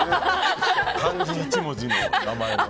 漢字１文字の名前の。